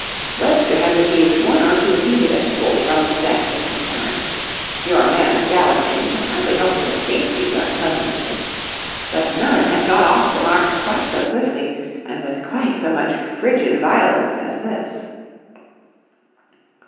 Webster had received one or two heated epistles from the sex in his time—your man of gallantry can hardly hope to escape these unpleasantnesses—but none had got off the mark quite so swiftly, and with quite so much frigid violence as this.